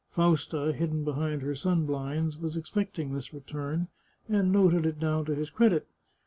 Fausta, hidden behind her sun blinds, was expecting this return, and noted it down to his credit.